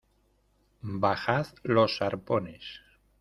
bajad los arpones.